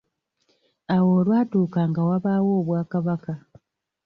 Awo lwatuuka nga wabaawo obwakabaka.